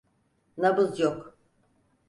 Nabız yok.